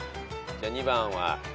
じゃあ２番は。